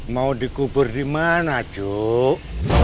mau dikubur di mana jo